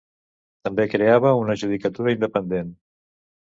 També creava una judicatura independent.